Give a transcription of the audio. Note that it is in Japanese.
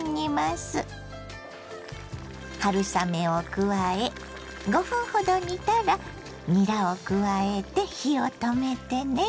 春雨を加え５分ほど煮たらにらを加えて火を止めてね。